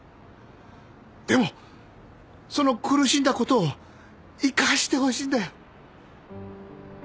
でもその苦しんだことを生かしてほしいんだよ。